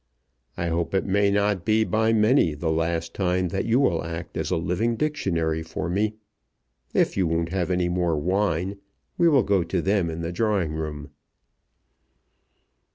I hope it may not be by many the last time that you will act as a living dictionary for me. If you won't have any more wine we will go to them in the drawing room."